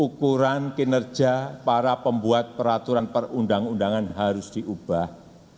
ukuran kinerja para pembuat peraturan perundang undangan harus diubah